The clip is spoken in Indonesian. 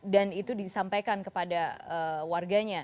dan itu disampaikan kepada warganya